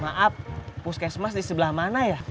maaf puskesmas di sebelah mana ya